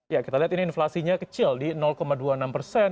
ya kita lihat ini inflasinya kecil di dua puluh enam persen